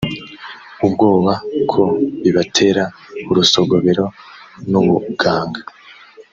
ubwoba ko bibatera urusogobero n ubuganga